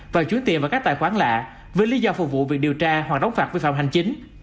và chuối tiền vào các tài khoản lạ với lý do phục vụ việc điều tra hoặc đóng phạt vi phạm hành chính